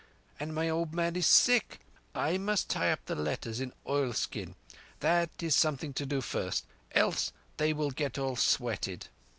And my old man is sick. I must tie up the letters in oilskin. That is something to do first—else they will get all sweated